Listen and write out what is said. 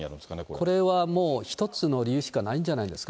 これはもう、一つの理由しかないんじゃないですか。